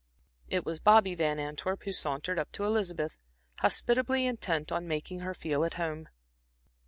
It was Bobby Van Antwerp who sauntered up to Elizabeth, hospitably intent on making her feel at home.